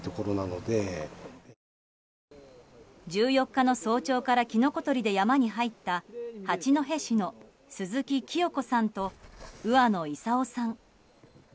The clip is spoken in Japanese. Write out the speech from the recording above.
１４日の早朝からキノコ採りで山に入った八戸市の鈴木清子さんと上野勲さん。